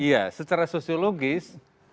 iya secara sosiologis